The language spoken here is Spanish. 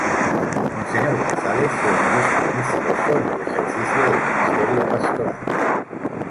Monseñor González fue un obispo muy celoso en el ejercicio del ministerio pastoral.